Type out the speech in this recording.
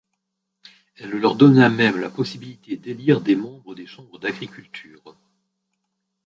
Elle leur donna même la possibilité d’élire des membres des chambres d'agriculture.